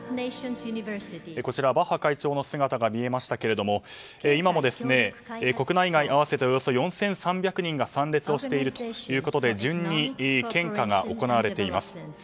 バッハ会長の姿が見えましたが今も国内外合わせて４３００人が参列をしているということで順に献花が行われています。